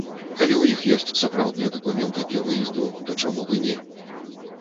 Калі ў іх ёсць сапраўдныя дакументы для выезду, то чаму б і не?